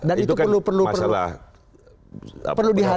dan itu perlu dihalat